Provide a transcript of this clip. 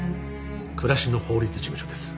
暮らしの法律事務所です。